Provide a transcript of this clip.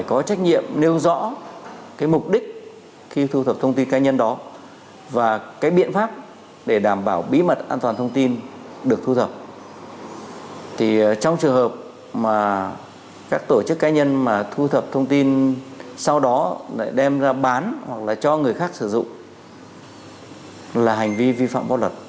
các tổ chức cá nhân mà thu thập thông tin sau đó lại đem ra bán hoặc là cho người khác sử dụng là hành vi vi phạm bó lật